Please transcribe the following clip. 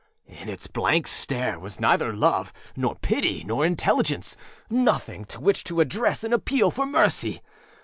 In its blank stare was neither love, nor pity, nor intelligenceânothing to which to address an appeal for mercy.